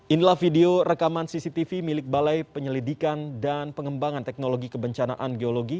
inilah video rekaman cctv milik balai penyelidikan dan pengembangan teknologi kebencanaan geologi